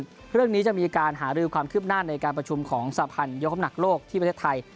เรื่องนี้จะมีการหารือความคืบหน้าในการประชุมของสะพานยกคำหนักโลกที่ประเทศไทย